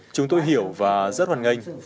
chúng tôi hiểu và rất hoàn nganh